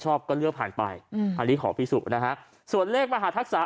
ชอบก็เลือกผ่านไปอืมอันนี้ของพี่สุนะฮะส่วนเลขมหาทักษะ